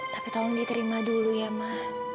tapi tolong diterima dulu ya mak